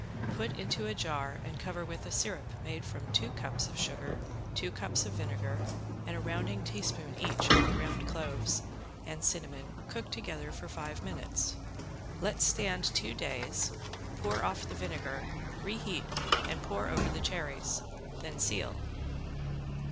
Put into a jar and cover with a sirup made from two cups of sugar, two cups of vinegar and a rounding teaspoon each of ground cloves and cinnamon cooked together five minutes. Let stand two days, pour off the vinegar, reheat and pour over the cherries, then seal.